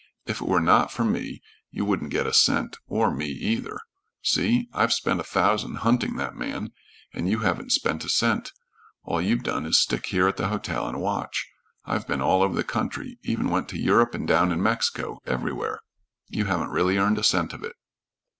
If it were not for me, you wouldn't get a cent, or me either. See? I've spent a thousand hunting that man up, and you haven't spent a cent. All you've done is to stick here at the hotel and watch. I've been all over the country. Even went to Europe and down in Mexico everywhere. You haven't really earned a cent of it."